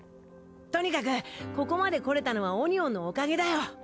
とにかくここまで来れたのはオニオンのおかげだよ。